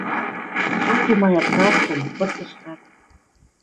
Со тумая Праском вырсыштат.